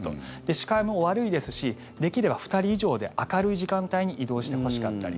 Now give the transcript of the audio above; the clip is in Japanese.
視界も悪いですしできれば２人以上で明るい時間帯に移動してほしかったり。